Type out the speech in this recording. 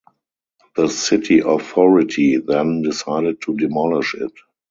The city authority then decided to demolish it.